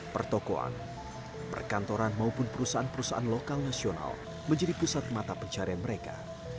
pertokoan perkantoran maupun perusahaan perusahaan lokal nasional menjadi pusat mata pencarian mereka